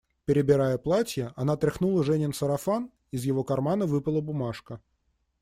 Перебирая платья, она тряхнула Женин сарафан, из его кармана выпала бумажка.